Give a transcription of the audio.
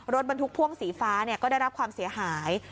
รถบรรทุกพ่วงสีฟ้าก็ได้รับความเสียหาย